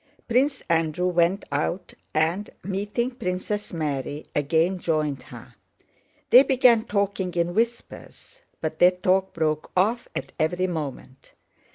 Prince Andrew went out and, meeting Princess Mary, again joined her. They began talking in whispers, but their talk broke off at every moment.